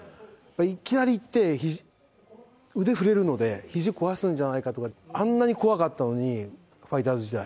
いきなり行って、腕振れるので、ひじ壊すんじゃないかとか、あんなに怖かったのに、ファイターズ時代。